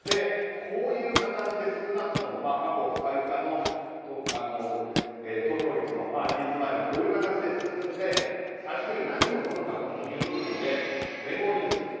こういう形で少なくとも過去最多の投票率の期日前がこういう形で進んで最終的に何を生むのかという部分で聯合ニュース